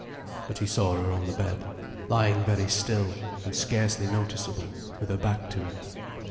But he saw her on the bed, lying very still and scarcely noticeable, with her back to him.